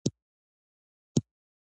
ټرانسپورټ د اقتصاد رګونه دي